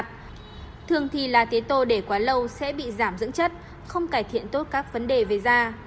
thường thì là tiến tô để quá lâu sẽ bị giảm dưỡng chất không cải thiện tốt các vấn đề về da